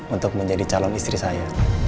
untuk menjadi calon istri saya